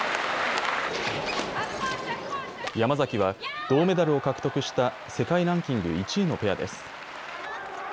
山崎は銅メダルを獲得した世界ランキング１位のペアです。